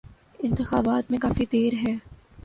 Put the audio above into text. انتخابات میں کافی دیر ہے۔